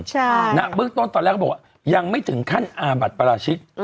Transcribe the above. ใช่น่ะเมื่อตอนตอนแรกเขาบอกว่ายังไม่ถึงขั้นอาบัตรปราชิตอืม